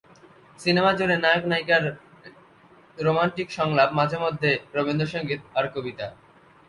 সিনেমাজুড়ে নায়ক নায়িকার রোমান্টিক সংলাপ, মাঝেমধ্যে রবীন্দ্রসংগীত আর কবিতা।